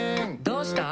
「どうした？」